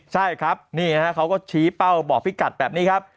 ใช่ครับนี่ฮะเขาก็ชี้เป้าบอกพี่กัดแบบนี้ครับ